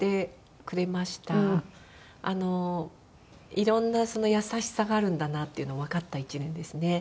いろんな優しさがあるんだなっていうのをわかった１年ですね。